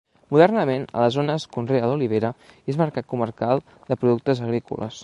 Modernament a la zona es conrea l'olivera i és mercat comarcal de productes agrícoles.